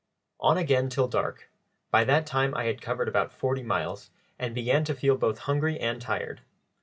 On again till dark; by that time I had covered about forty miles, and began to feel both hungry and tired.